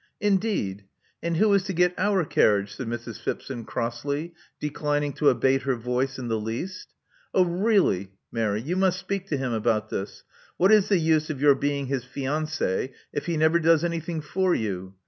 Indeed! And who is to get our carriage?" said Mrs. Phipson, crossly, declining to abate her voice in the least. Oh, really, Mary, you must speak to him about this. What is the use of your being his fiancee if he never does anything for you?